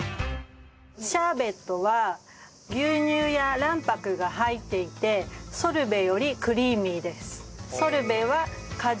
シャーベットは牛乳や卵白が入っていてソルベよりクリーミーです。